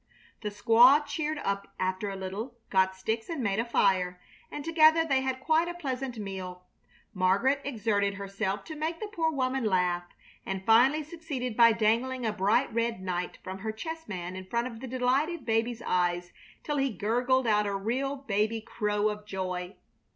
The squaw cheered up after a little, got sticks and made a fire, and together they had quite a pleasant meal. Margaret exerted herself to make the poor woman laugh, and finally succeeded by dangling a bright red knight from her chessmen in front of the delighted baby's eyes till he gurgled out a real baby crow of joy.